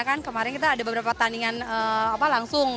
kan kemarin kita ada beberapa tandingan langsung